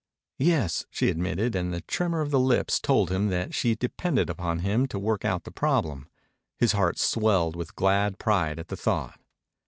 "Yes," she admitted, and the tremor of the lips told him that she depended upon him to work out the problem. His heart swelled with glad pride at the thought.